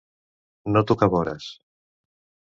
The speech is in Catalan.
No tocar vores.